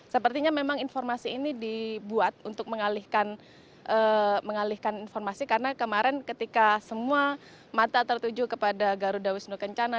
sepertinya memang informasi ini dibuat untuk mengalihkan informasi karena kemarin ketika semua mata tertuju kepada garuda wisnu kencana